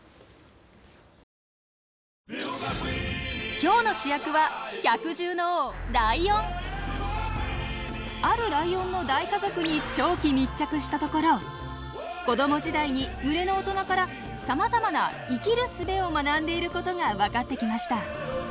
今日の主役はあるライオンの大家族に長期密着したところ子ども時代に群れの大人からさまざまな生きるすべを学んでいることが分かってきました。